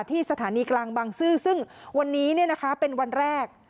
ที่สถานีกลางบางซื่อซึ่งวันนี้เป็นวันแรก